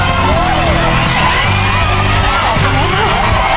ครอบครัวของแม่ปุ้ยจังหวัดสะแก้วนะครับ